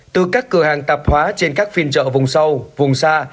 từ các cửa hàng tạp hóa trên các phiên chợ vùng sâu vùng xa